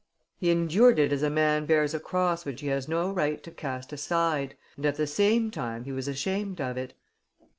He endured it as a man bears a cross which he has no right to cast aside; and at the same time he was ashamed of it.